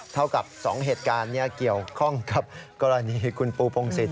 เท่ากับ๒เหตุการณ์เกี่ยวข้องกับกรณีคุณปูพงศิษ